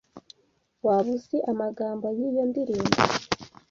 Waba uzi amagambo yiyo ndirimbo?